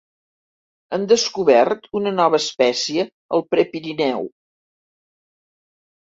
Han descobert una nova espècie al Prepirineu.